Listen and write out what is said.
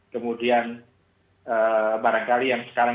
kemudian barangkali yang sekarang